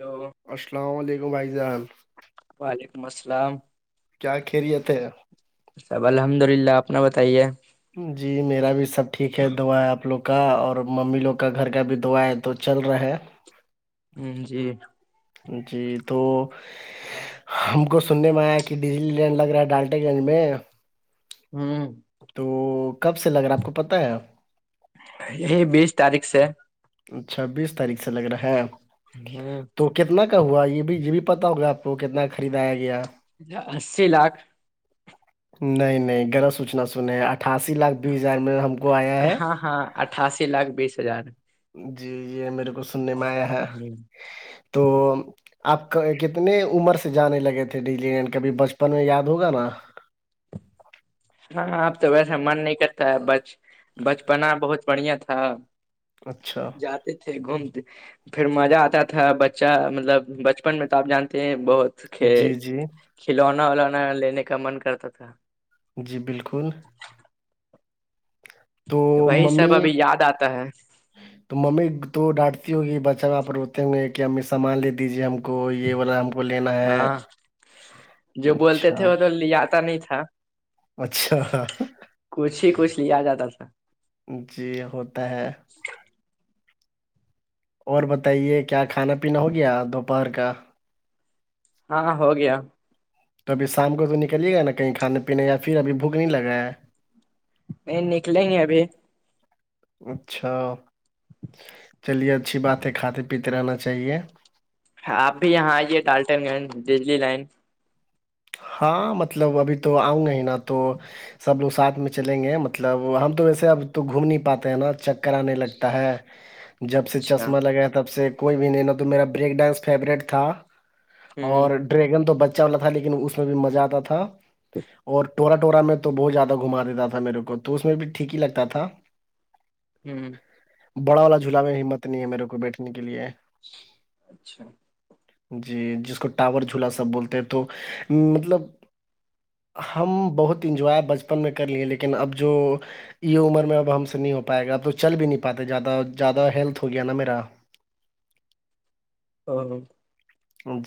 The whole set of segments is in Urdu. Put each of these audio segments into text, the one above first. ہلو السلام علیکم بھائی جحان وعلیکم السلام کیا خریت ہے سب الحمد للہ اپنا بتائیے جی میرا بھی سب ٹھیک ہے دعا آپ لوگ کا اور ممی لوگ کا گھر کا بھی دعا ہے تو چل رہا ہے ہ جی جی تو ہم کو سننے میں آیا ہے کہ ڈیجلی لینڈ لگ رہا ہے ڈالٹے گنج میں ہ تو کب سے لگ رہا ہے آپ کو پتا ہے یہ بیس تاریخ سے چھبیس تاریخ سے لگ رہا ہے ہاں تو کتنا کا ہوا یہ بھی یہ بھی پتا ہوگا آپ کو کتنا خریدایا گیا اسی لاکھ نہیں نہیں گرہ سوچنا سنے اٹھاسی لاکھ بیس ہزار میں ہم کو آیا ہے ہاں ہاں اٹھاسی لاکھ بیس ہزار جی یہ میرے کو سننے میں آیا ہے تو آپ کتنے عمر سے جانے لگے تھے ڈیلی لینڈ کبھی بچپن میں یاد ہوگا نا ہاں اب تو ویسا من نہیں کرتا ہے بچ بچپنا بہت بڑھیا تھا اچھا جاتے تھے گھومتے پھر مزہ آتا تھا بچہ مطلب بچپن میں تو آپ جانتے ہیں بہت تو جی جی کھلونا ولوا لینے کا من کرتا تھا جی بالکل تو وہی سب مممی ابھی یاد آتا ہے تو ممی تو ڈانٹتی ہوگی بچہ وہاں پر روتے ہوں گے کہ امی سامان لے دیجیے ہم کو یہ والا ہم کو وہ لینا ہے ہاں جو بولتے اچھا تھے وہ تو لے آتا نہیں تھا اچھا کچھ ہی کچھ لیا آ جاتا تھار جی ہوتا ہے اور بتائیے کیا کھانا پینا ہو گیا دوپہر کا ہاں ہو گیا تو ابھی شام کو تو نکلیے گا نا کہیں کھانے پینے یا پھر ابھی بھوک نہیں لگا ہے نہیں نکلیں گے ابھی اچھا چلیے اچھی بات ہے کھاتے پیتے رہنا چاہیے آپ بھی یہاں آئیے ٹالٹن گنج دجلی لائن ہاں مطلب ابھی تو آؤں گا ہی نا تو سب لوگ ساتھ میں چلیں گے مطلب ہم تو ویسے اب تو گھوم نہیں پاتے ہیں نا چکر آنے لگتا ہے جب سے اچھا چشمہ لگایا تب سے کوئی بھی نہیں ن تو میرا بریک ڈانس فیوریٹ تھا ہوں اور ڈریگن تو بچہ والا تھا لیکن اس میں بھی مزہ آتا تھا اور ٹورا ٹورا میں تو بہت زیادہ گھما دیتا تھا میرے کو تو اس میں بھی ٹھیک ہی لگتا تھا ہوں بڑا والا جھولا میں ہمت نہیں ہے میرے کو بیٹھنے کے لیے اچھا جی جس کو ٹاور جھولا سب بولتے ہیں تو مطلب ہم بہت انجوائے بچپن میں کر لیے ہیں لیکن اب جو یہ عمر میں اب ہم سے نہیں ہو پائے گا اب تو چل بھی نہیں پاتے زیادہ زیادہ ہیلتھ ہو گیا نا میرا او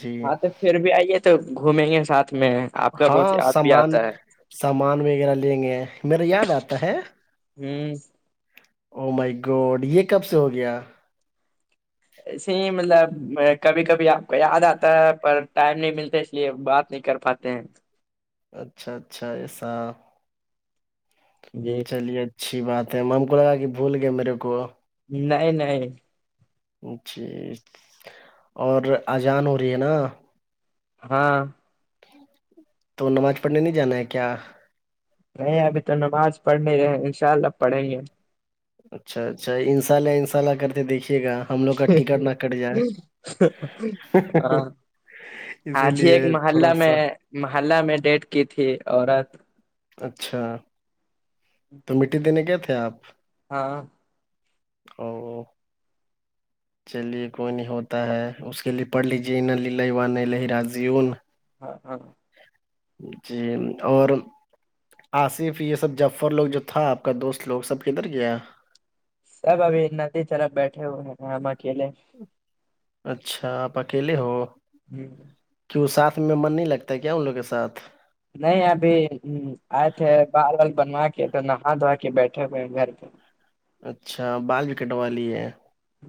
جی ہاں تو پھر بھی آئیے تو گھومیں گے ساتھ میں آپ کا بہت ہاں یاد بھی سامان آتا ہے سامان وغیرہ لیں گے میرا یاد آتا ہے ہوں او مائی گولڈ یہ کب سے ہو گیا ایسے ہی مطلب کبھی کبھی آپ کو یاد آتا ہے پر ٹائم نہیں ملتے یہ بات نہیں کر پاتے ہیں اچھا اچھا ایسا جی چلیے اچھی بات ہے میم کو لگا کہ بھول گئے میرے کو نہیں نہیں جی اور اجان ہو رہی ہے نا ہاں [inaudible] تو نماز پڑھنے نہیں جانا ہے کیا نہیں ابھی تو نماز پڑھ نہیں رہے ان شاء اللہ پڑھیں گے ہم اچھا اچھا انشاء اللہ انشاءلہ کرتے دیکھیے گا [inaudible] ہم لوگ کا ٹکٹ نہ کٹ جائے اسی آج ہی لیے ایک محلہ تھوڑا سا میں محلہ میں ڈیٹ کی تھی عورت اچھا تو مٹی دینے کیا تھے آپ ہاں [inaudible] چلیے کوئی نہیں ہوتا ہے اس کے لیے پڑھ لیجے و نہیں ل راضیون ہاں ہاںاں جی اور آصف یہ سب جفر لوگ جو تھا آپ کا دوست لوگ سب کدھر گیا سب ابھی ندی چلپ بیٹھے ہوئے ہیں ہم اکیلے اچھا آپ اکیلے ہو جی کیوں ساتھ میں من نہیں لگتا ہے کیا ان لوگ کے ساتھ نہیں ابھی آئے تھے بال و بنوا کے تو نہا دھو کے بیٹھے ہوئے ہیں گھر پہ [inaudible] اچھا بال وکٹ والی ہے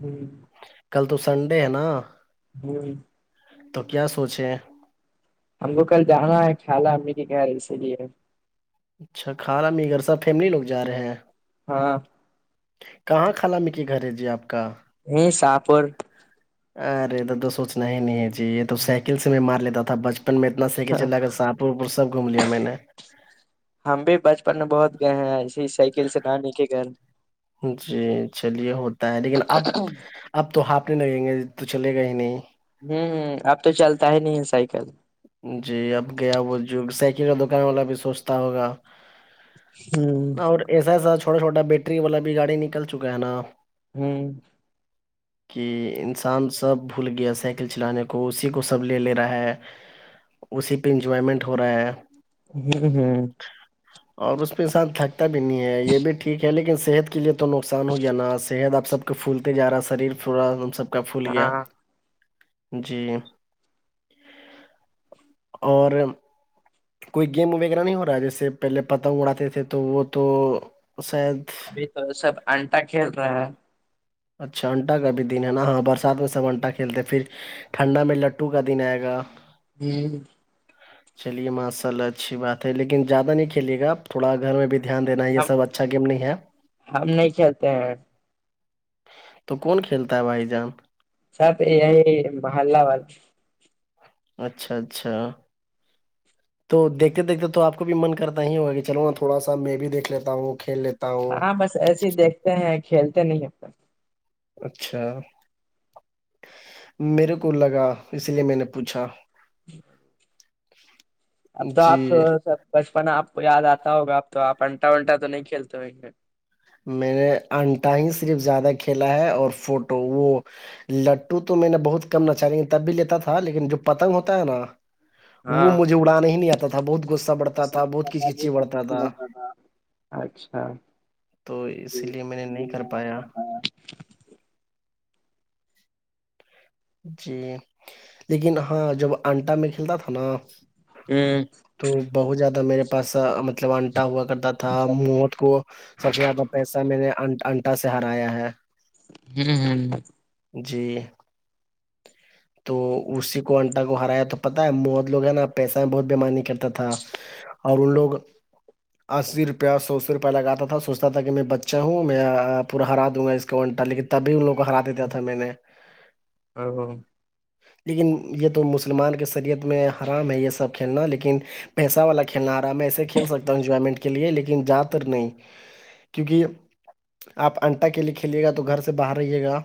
ہ کل تو سنڈے ہے نا جوں تو کیا سوچیں ہم کو کل جانا ہے خیال امی کے گھر اسی لیے اچھا کھالا مگر ساب فیملی لوگ جاے ہیں ہاں کہاں خالام کے گھر ہے جی آپ کا یہ ساہپور ہے داد دو سوچنا ہے نہیں ہے جی یہ تو سائیکل سے میں مار لیتا تھا بچپن میں ات سائیکل چلا کر ساہ پور وپور سب گھوم لیا میں نے ہم بھی بچپن میں بہت گئے ہیں ایسے ہی سائیکل سے گانے کے گھر جی چلیے ہوتا ہے لیکن اب اب تو ہاپنے لگیں گے تو چلے گا ہی نہیں ہوں ہ اب تو چلتا ہی نہیں ہے سائیکل جی اب گیا وہ جو سائیکل کا دکان والا بھی سوچتا ہوگا [inaudible] اور ایسا ایسا چھوٹا چھوٹا بیٹری والا بھی گاڑی نکل چکا ہے نا [inaudible] [inaudible] کہ انسان سب بھول گیا سائیکل چلانے کو اسی کو سب لے لے رہا ہے اسی پہ انجوائمنٹ ہو رہا ہے ہوں ہوں [inaudible] اور اس پہ انسان تھکتا بھی نہیں ہے یہ بھی ٹھیک ہے لیکن صحت کے لیے تو نقصان ہو گیا نا صحت اب سب کو پھولتے جا رہا ہے شریر پورا ان سب کا پھول گیا ہاں جی اور کوئی گیم وغیرہ نہیں ہو رہا ہے جیسے پہلے پتنگ اڑاتے تھے تو وہ تو شاید ا تو سب انٹا کھیل رہا ہے اچھا انٹا کا بھی دن ہے نا ہاں برسات میں سب انٹا کھیلتے ہیں پھر ٹھنڈا میں لڈٹو کا دن آئے گا ہی چلیے ماشاءلہ اچھی بات ہے لیکن زیادہ نہیں کھیلے گا آپ تھوڑا گھر میں بھی دھیان دینا یہ ہم سب اچھا گیم نہیں ہے ہم نہیں کھیتے ہیں تو کون کھیلتا ہے بھائی جان سر یہ محلہ باد اچھا اچھا تو دیکھتے دیکھتے تو آپ کو بھی من کرتا ہی ہوگا کہ چلو ن تھوڑا سا میں بھی دیکھ لیتا ہوں وہ کھیل لیتا ہوں ہاں بس ایس ہی دیکھتے ہیں کھیلتے نہیں اب تک اچھا میرے کو لگا اس لیے میں نے پوچھا جی اب تو جی آپ تو سب بچپن آپ کو یاد آتا ہوگا اب تو آپ انٹا ونٹا تو نہیں کھیلتے ہو میں نے انٹا ہی صرف زیادہ کھیلا ہے اور فوٹو وہ لٹو تو میں نے بہت کم نچا تب بھی لیتا تھا لیکن جو پتنگ ہوتا ہے نا وہ ہاں مجھے اڑا نہیں نہیں آتا تھا بہت غصہ بڑھتا تھا بہت کھچ کچی بڑھتا تھا اچھا تو اسی لیے میں نے نہیں کر پایا جی لیکن ہاں جب انٹا میں کھیلتا تھا نا تو بہت زیادہ میرے پاس مطلب انٹا ہوا کرتا تھا موت کو سب سے زیادہ پیسہ میں نے ان انٹا سے ہرایا ہے ہوں ہ جی ج تو اسی کو انٹا کو ہرایا تو پتاہ ہے موت لوگ ہیں نا پیسہ میں بہت بیمانی کرتا تھا اور ان لوگ اسی روپیہ سو سو روپیہ لگاتا تھا سوچتا تھا کہ میں بچہ ہوں میں پورا ہرا دوں گا اس کا وانٹا لیکن تبھی ان لوگ کو ہرا دیتا تھا میں نے [inaudible] لیکن یہ تو مسلمان کے شریعت میں حرام ہے یہ سب کھیلنا لیکن پیسہ والا کھیلنا رہا ہے میں ایسے کھیل سکتا ہوں انجوائمنٹ کے لیے لیکن زیادہ تر نہیں کیونکہ آپ انٹا کے لیے کھیلیے گا تو گھر سے باہر رہے گا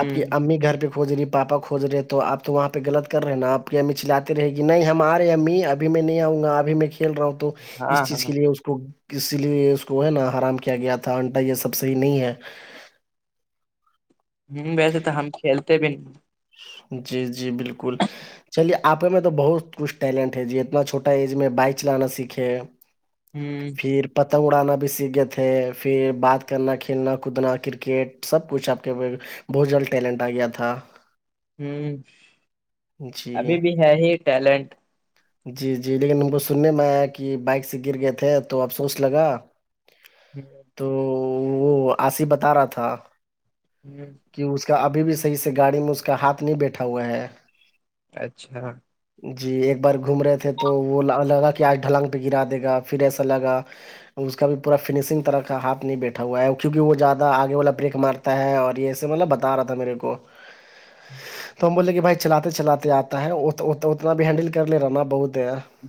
آپ کی امی گھر کے کھو رہی پاپا کھوج رہے تو آپ تو وہاں پہ لط کر رہے نا آپ کی امی چلے رہے گی نہیں ہمار رہے امی ابھی ب میں نہیں آؤں گا اب میں کھیل رہا ہوں تو ہاں اس ہاں چیز کے لیے اس تو اسی لیے اس کو ہے نا آرام کیا گیا تھا انٹا یہ سب صحیح نہیں ہے ہوں ویسے تو ہم کھیلتے بھی نہیں جی جی بالکل چلیے آپ میں تو بہت کچھ ٹیلنٹ ہے ج اتنا چھوٹا ایج میں بائک چلانا سیکھے ہوں پھر پتنگ اڑانا بھی سیکھ گئے تھے پھر بات کرنا کھیلنا کودنا کرکٹ سب کچھ آپ کے بہت جلد ٹیلنٹ آ گیا تھا ہوں جی ٹیلنٹ جی جی لیکن ہم کو سننے میں آیا کہ بائک سے گر گئے تھے تو افسوس لگا [inaudible] جی تو وہ آصف بتا رہا تھا جی کہ اس کا اب بھی صحیح سے گاڑی میں اس کا ہاتھ نہیں بیٹھا ہوا ہے اچھا جی ایک بار گھوم رہے تھے تو وہ لگا کہ آج ڈھلانگ پہ گرا دے گا پھر ایسا لگا اس کا بھی پورا فنشنگ طرح کا ہاتھ بیٹھا ہوا ہے کیونکہ وہ زیادہ آگے والا بریکار ہے اور یہے مطلب بتا رہا تھا میرے کو تو ہم بولے کہ بھائی چلاتے چلاتے آتا ہے اتنا بھی ہینڈل کر لے رہا نا بہت د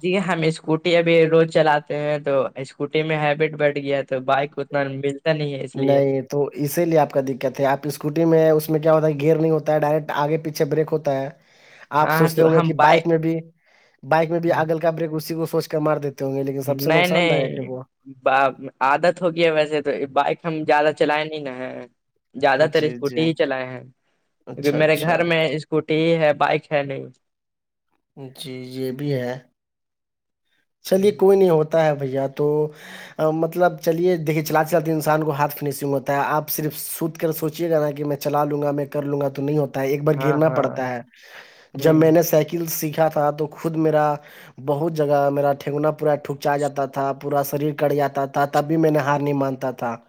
جی ہم اسکوٹی ابھی روز چلاتے ہیں تو اسکوٹی میں ہیبٹ بڑھ گیا ہے تو بائک اتنا مل نہیں تو اسی لیے آپ کا دقت ہے آپ اسکوٹی میں اس میں کیا ہوتا ہے کہ گیئر نہیں ہوتا ہے ڈائریکٹ آگے پیچھے بریک ہوتا ہے آپ ہاں سوچتے تو ہوں گے ہم کہ بائک میں بھی بائک میں بھی اگل کا بریک اسی کو سوچ کر مار دیتے ہوں گے لیکن سب سے نقصان داک ہے وہ ب عادت ہوگی ہے ویسے تو بائک ہم زیادہ چلائے نہیں نا ہے زیادہ تر جی جی اسکوٹی ہی چلائے ہیں کیکہ اچھا میرے اچھا گھر میں اسکوٹی ہی ہے بائک ہے نہیں جی یہ بھی ہے چلیے کوئی نہیں ہوتا ہے بھیا تو مطلب چلیے دیکے چلات چلاتی انسان کو ہاتھ فنیشنگ ہوتا ہے آپ صرف سوت کر سوچیے گ نا کہ میں چلا لوں گا میں کر لوں گا تو نہیں ہوتا ہے ایک بار ہاں گرنا ہاں پڑتا ہے ہ جب میں نے سائیکل سیکھا تھا تو خود میرا بہت جگہ میرا ٹھنگنا پورا ٹھکچا جاتا تھا پورا شریر کٹ جاتا تھا تب بھی میں نے ہار نہیں مانتا تھا ب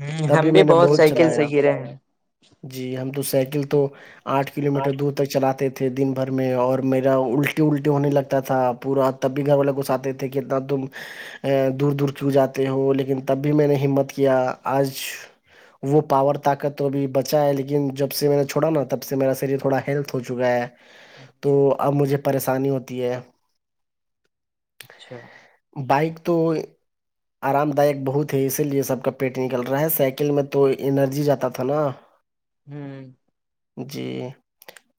ہ ہم بھی بہت سائیکل سے گرے ہیں جی ہم تو سائیکل تو آٹھ کلو میٹر دور تک چلاتے تھے دن بھر میں اور میرا الٹے الٹے ہونے لگتا تھا پورا تب بھی گھر والے کو س آتے تھے کتنا تم دور دور کیوں جاتے ہوں لیکن تب بھی میں نے ہمت کیا آج وہ پاور طاقت تو بھیھی بچا ہے لیکن جب سے میں نے چھوڑا نا تب سے میرا شریر تھوڑا ہیلتھ ہو چکا ہے تو اب مجھے پریشانی ہوتی ہے اچھا بائک تو آرام دائک بہت ہے اسی لیے سب کا پیٹ نکل رہا ہے سائیکل میں تو انرجی جاتا تھا نا [inaudible] ہوں جی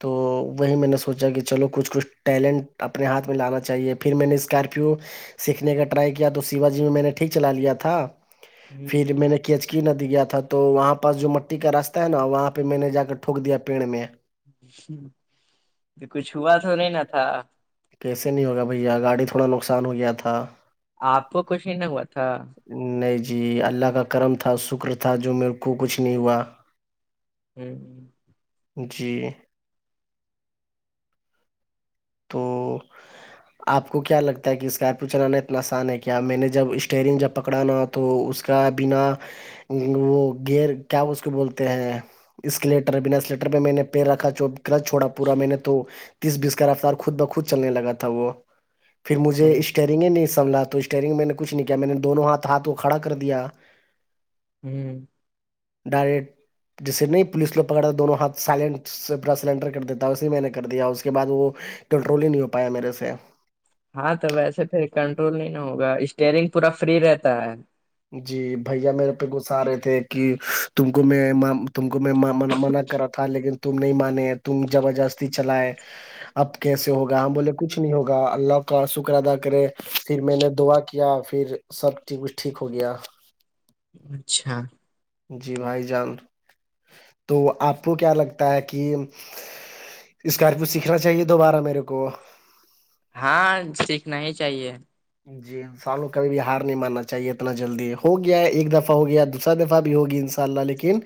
تو وہی میں نے سوچا کہ چلو کچھ کچھ ٹیلنٹ اپنے ہاتھ میں لانا چ چاہے پھر میں نے اسکارپیو سیکھنے کا ٹرائی کیا تو شیوا جی میں میں نے ٹھیک چلا لیا تھا ہ پھر میں نے کیچکی ندی گیا تھا تو وہاں پاس جو مٹی کا راستہ ہے نا وہاں پہ میں نے جا کر ٹھوک دیا پیڑ میں تو کچھ ہوا تو نہیں ن تھا کیسے نہیں ہوگا بھیا گاڑی تھوڑا نقصان ہو گیا تھا آپ کو کچھ ہی نہیں ہوا تھا نہیں جی اللہ کا کرم تھا شکر تھا جو میرے کو کچھ نہیں ہوا ہ جی تو آپ کو کیا لگتا ہے کہ اسکارپیو چلانا اتنا آسان ہے کیا میں نے جب اسٹیئرنگ جب پکڑانا ہو تو اس کا بنا وہ گر کیا اس کے بولتے ہیں اسکلیٹر بناسلیٹر میں نے پیڑ رکھا جو کلچ چوڑا پور میں نے تو تیس بیس کا رفتار کو خود بخود چلنے لگا تھا وہ پھر مجھے ہ اسٹری ے نہیں سبلہ تو اسٹیئرنگ میں نے کھ نہیں کیا میں نے دونوں ہاتھ ہاتھ کو کھڑا کر دیا ہوں ڈائریکٹ جسے نہیں پولیس ل پکڑا تھا دونوں ہاتھ سائلینٹ سے پورا سلینڈر کر دیتا اسی میں نے کر دیا اس کے بع وہ کنٹرول ہی نہیں ہو پایا میرے سے ہاں تو ویسے پھر کنٹرول نہیں نا ہوگا اسٹیئرنگ پورا فری رہتا ہے جی بھیا میرے پہ گس آ رہے تھے کہ تم کو میں تم کو میں منع کرا تھا لیکن تم نہیں مان تم زبردستی چلائے اب کیسے ہوگا ہم بولے کچھ نہیں ہوگا اللہ کا شکر ادا کرے پھر میں نے دعا کیا یا پھر سب چی کچھ ٹھیک ہو گیا اچھا جی بھائی جان تو آپ کو کیا لگتا ہے کہ اسکارپیو سیکھنا چاہیے دوبارہ میرے کو ہاں سیکھنا ہی چاہیے جی ہ سالوں کبھی بھی ہار نہیں ماننا چاہیے اتنا جلدی ہو گیا ایک دفعہ ہو گیا دوسرا دفعہ بھی ہوگی ان رہا لیکن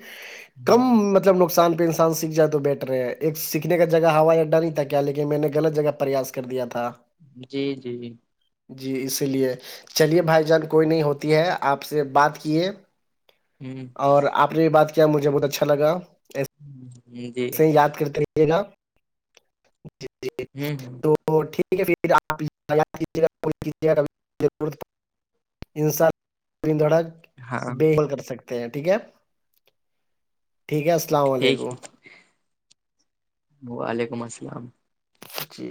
کم مطب نقصانہ انسان سیکھ جائے تو بیٹ رہے ہیں ایک سیکھنے کا جگہ ہوائی اڈا نہیں تھا کیا لیکن میں نے غط جگہ پریاس کر دیا تھا جی جی جی جی اسی لیے چلیے بھائی جان کوئی نہیں ہوتی ہے آپ سے بات کیے ہوں اور آپ نے بھی بات کیا مجھے بہت اچھا لگا ہ جی یاد کرتے رہے گا ج جی ہ تو تو ٹھیک ہے پھر آپ لگا دیجیے گا کیجیے گا ضرورت پڑ انسانن دھڑک ہاں بل کر سکتے ہیں ٹھیک ہے ٹھیک ہے السلام ٹھیک علیکم ہے وعلیکم السلام ا جی